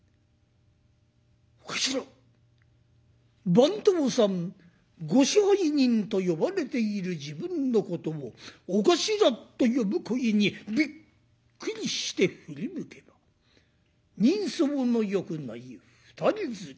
番頭さんご支配人と呼ばれている自分のことを「お頭」と呼ぶ声にびっくりして振り向けば人相のよくない二人連れ。